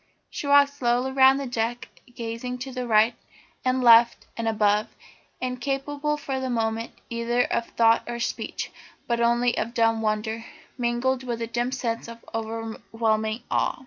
She walked slowly round the deck, gazing to right and left and above, incapable for the moment either of thought or speech, but only of dumb wonder, mingled with a dim sense of overwhelming awe.